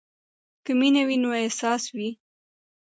که مینه وي نو اساس وي.